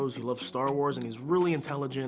mencintai star wars dan dia sangat intelijen